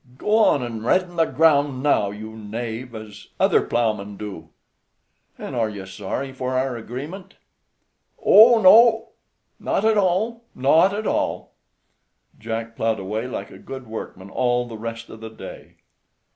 "Go on and redden the ground now, you knave, as other plowmen do." "An' are you sorry for our agreement?" "Oh, not at all, not at all!" Jack plowed away like a good workman all the rest of the day.